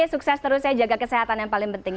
sukses terus saya jaga kesehatan yang paling penting